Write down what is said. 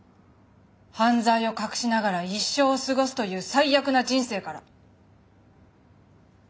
犯罪を隠しながら一生を過ごすという最悪な人生から。